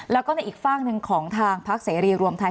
แล้วก็ในอีกฝากหนึ่งของทางพักเสรีรวมไทย